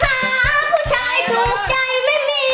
หาผู้ชายถูกใจไม่มี